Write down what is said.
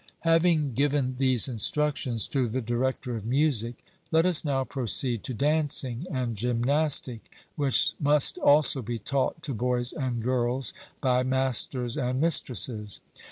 Having given these instructions to the Director of Music, let us now proceed to dancing and gymnastic, which must also be taught to boys and girls by masters and mistresses.